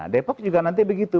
depok juga nanti begitu